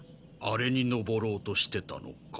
あれに登ろうとしてたのか。